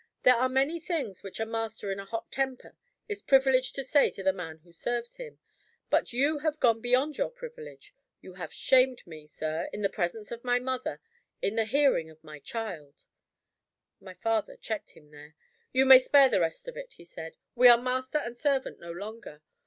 "There are many things which a master in a hot temper is privileged to say to the man who serves him. But you have gone beyond your privilege. You have shamed me, sir, in the presence of my mother, in the hearing of my child " My father checked him there. "You may spare the rest of it," he said. "We are master and servant no longer.